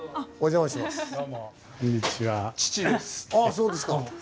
そうですか。